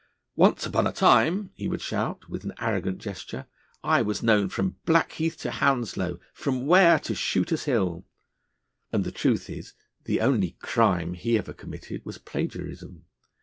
'Once upon a time,' he would shout, with an arrogant gesture, 'I was known from Blackheath to Hounslow, from Ware to Shooter's Hill.' And the truth is, the only 'crime' he ever committed was plagiarism.